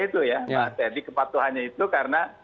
itu ya jadi kepatuhannya itu karena